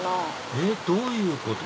えっどういうこと？